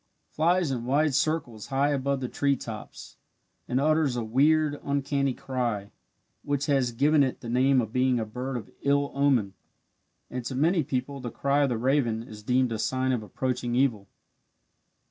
Flies in wide circles high above the tree tops, and utters a weird, uncanny cry, which has given it the name of being a bird of ill omen, and to many people the cry of the raven is deemed a sign of approaching evil.